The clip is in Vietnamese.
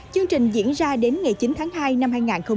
chương trình diễn ra đến ngày chín tháng hai năm hai nghìn hai mươi